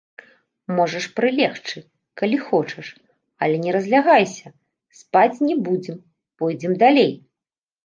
Можаш прылегчы, калі хочаш, але не разлягайся, спаць не будзем, пойдзем далей.